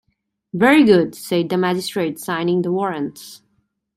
‘Very good,’ said the magistrate, signing the warrants.